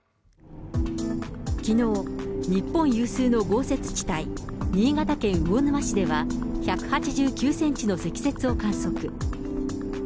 きのう、日本有数の豪雪地帯、新潟県魚沼市では、１８９センチの積雪を観測。